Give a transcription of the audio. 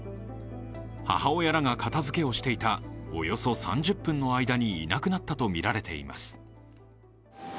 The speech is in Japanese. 母親らが片づけをしていたおよそ３０分の間にいなくなったとみられています。